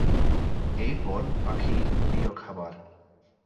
এই ফল পাখির প্রিয় খাবার।